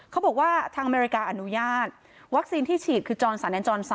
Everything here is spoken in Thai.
เขาบอกว่าทางอเมริกาอนุญาตวัคซีนที่ฉีดคือจรสันแอนจร๓